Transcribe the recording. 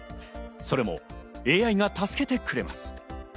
それもＡＩが助けてくれます。